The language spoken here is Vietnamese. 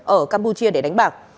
ở campuchia để đánh bạc